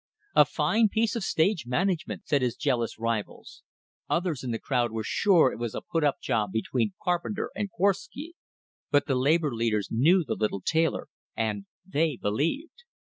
A fine piece of stage management, said his jealous rivals; others in the crowd were sure it was a put up job between Carpenter and Korwsky. But the labor leaders knew the little tailor, and they believed.